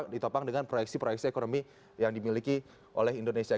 ditopang dengan proyeksi proyeksi ekonomi yang dimiliki oleh indonesia